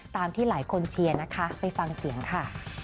ที่หลายคนเชียร์นะคะไปฟังเสียงค่ะ